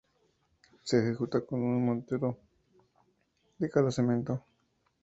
Se ejecuta con un mortero de cal o cemento.